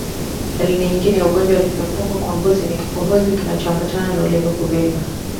Dalili nyingine ya ugonjwa wa pumu kwa mbuzi ni kikohozi kinachoambatana na ulimi kuvimba